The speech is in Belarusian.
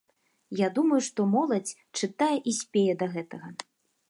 Я думаю, што моладзь чытае і спее да гэтага.